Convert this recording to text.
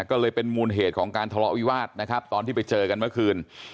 ก็เลยเป็นมูลเหตุของการทะเลาะวิวาสนะครับตอนที่ไปเจอกันเมื่อคืน